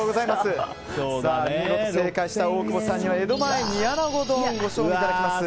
見事正解した大久保さんには江戸前煮穴子丼をご賞味いただきます。